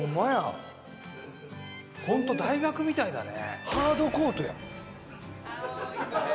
ホント大学みたいだね。